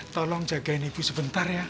tolong jagain ibu sebentar ya